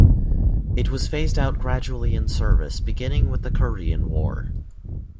It was phased out gradually in service beginning with the Korean War.